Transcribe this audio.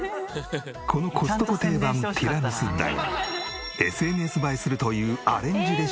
このコストコ定番ティラミスだがＳＮＳ映えするというアレンジレシピをご紹介。